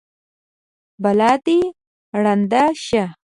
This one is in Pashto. بلا دې ړنده شه!